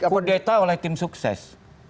yang terjadi menurut saya kudeta oleh tim sukses